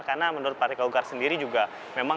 karena menurut partai golkar sendiri juga